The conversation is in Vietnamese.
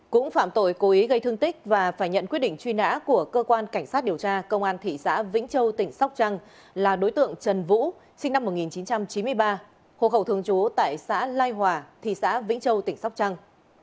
cũng phạm tội cố ý gây thương tích và phải nhận quyết định truy nã của cơ quan cảnh sát điều tra công an thị xã vĩnh châu tỉnh sóc trăng là đối tượng trần vũ sinh năm một nghìn chín trăm chín mươi ba hộ khẩu thường trú tại xã lai hòa thị xã vĩnh châu tỉnh sóc trăng